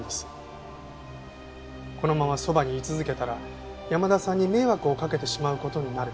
このままそばに居続けたら山田さんに迷惑をかけてしまう事になる。